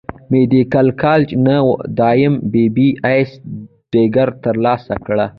ميديکل کالج نۀ د ايم بي بي ايس ډګري تر لاسه کړه